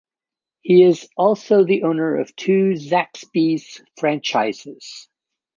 He is also the owner of two Zaxby's franchises.